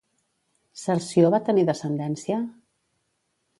Cerció va tenir descendència?